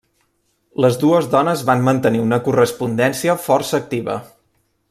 Les dues dones van mantenir una correspondència força activa.